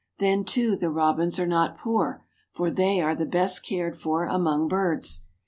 Then, too, the robins are not poor, for they are the best cared for among birds.